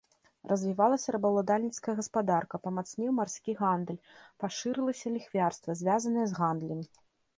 Развівалася рабаўладальніцкая гаспадарка, памацнеў марскі гандаль, пашырылася ліхвярства, звязанае з гандлем.